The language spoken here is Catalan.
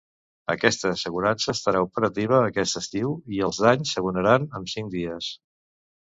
Aquesta assegurança estarà operativa aquest estiu i els danys s’abonaran amb cinc dies.